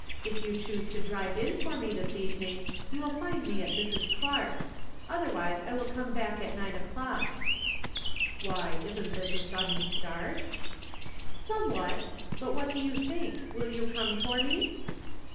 If you choose to drive in for me this evening you will find me at Mrs. Clarke's. Otherwise I will come back at nine o'clock." " Why, isn't this a sudden start ?"" Somewhat. But what do you think, will you come for me